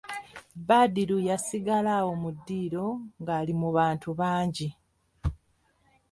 Badru yasigala awo mu ddiiro nga ali mu bantu bangi.